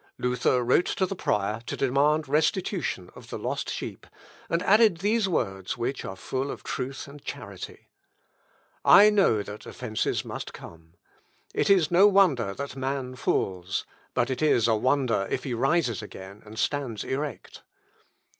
Luther wrote to the prior to demand restitution of the lost sheep, and added these words, which are full of truth and charity, "I know that offences must come. It is no wonder that man falls; but it is a wonder he rises again, and stands erect.